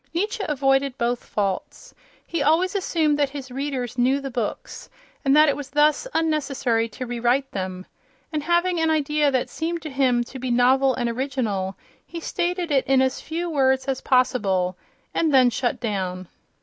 Nietzsche avoided both faults. He always assumed that his readers knew the books, and that it was thus unnecessary to rewrite them. And, having an idea that seemed to him to be novel and original, he stated it in as few words as possible, and then shut down.